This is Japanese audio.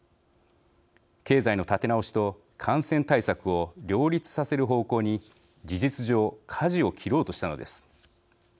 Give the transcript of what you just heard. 経済の立て直しと感染対策を両立させる方向に事実上かじを切ろうとしたのです。